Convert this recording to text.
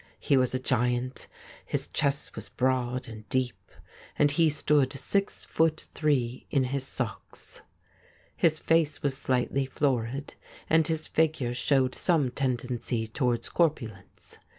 He was a giant — his chest was broad and deep, and he stood six foot three in his socks. His face was slightly florid, and his figure showed some tendency to wards corpulence.